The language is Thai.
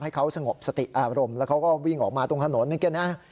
ให้เขาสงบสติอารมณ์แล้วเขาก็วิ่งออกมาตรงถนนนะครับ